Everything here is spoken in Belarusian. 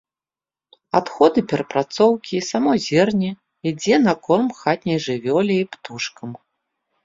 Адходы перапрацоўкі і само зерне ідзе на корм хатняй жывёле і птушкам.